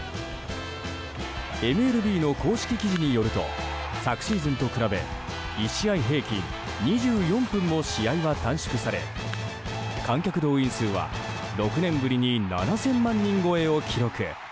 ＭＬＢの公式記事によると昨シーズンと比べ１試合平均２４分も試合は短縮され観客動員数は６年ぶりに７０００万人超えを記録。